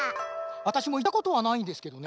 わたしもいったことはないんですけどね。